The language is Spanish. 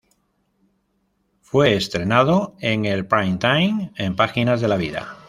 Fue estrenado en el prime time en Páginas de la Vida.